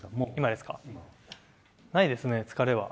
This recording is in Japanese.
ないですね、疲れは。